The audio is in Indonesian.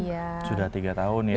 iya sudah sekolah sekolah